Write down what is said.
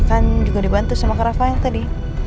gue dibantu sama kak rafael tadi